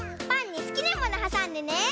パンにすきなものはさんでね！